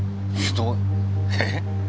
えっ？